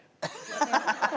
ハハハハ。